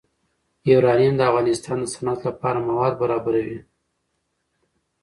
یورانیم د افغانستان د صنعت لپاره مواد برابروي.